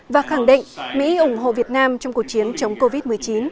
và khẳng định mỹ ủng hộ việt nam trong cuộc chiến chống covid một mươi chín